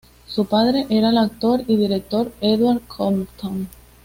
Su padre era el actor y director Edward Compton.